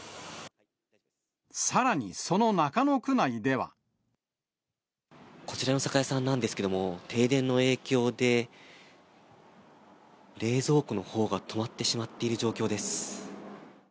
さらに、こちらの酒屋さんなんですけれども、停電の影響で冷蔵庫のほうが止まってしまっている状況です。